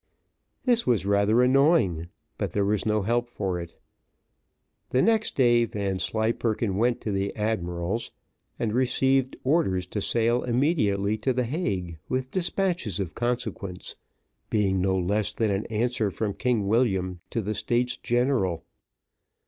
This was rather annoying, but there was no help for it. The next day Vanslyperken went to the admiral's, and received orders to sail immediately to the Hague with despatches of consequence, being no less than an answer from King William to the States General.